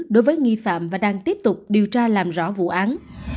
cơ quan chức năng đang tiếp tục điều tra và làm rõ vụ án